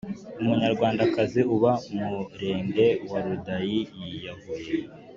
Umunyarwandakazi uba mu Murenge wa Runda yiyahuye